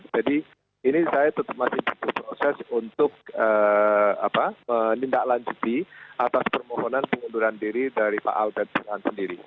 jadi ini saya tetap masih berproses untuk menindaklanjuti atas permohonan pengunduran diri dari pak albert burhan sendiri